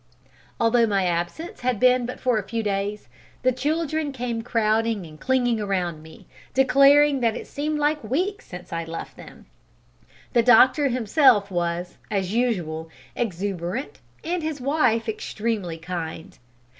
Although my absence had been but for a few days, the children came crowding and clinging round me, declaring that it seemed like weeks since I left them. The doctor himself was, as usual, exuberant, and his wife extremely kind.